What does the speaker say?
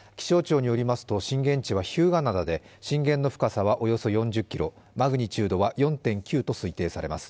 震源地は日向灘で震源の深さはおよそ４０キロ、マグニチュードは４．９と推定されます。